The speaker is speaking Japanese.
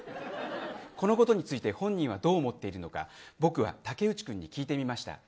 このことについて本人はどう思っているのか僕は武内君に聞いてみました。